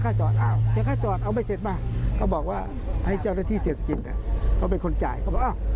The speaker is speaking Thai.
เขาเป็นคนจ่ายเขาบอกอ้าว